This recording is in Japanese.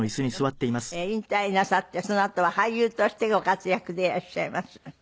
引退なさってそのあとは俳優としてご活躍でいらっしゃいます。